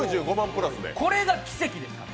これが奇跡です。